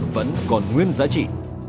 vẫn còn nguyên giá trị